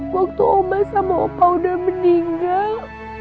waktu oma sama opa udah meninggal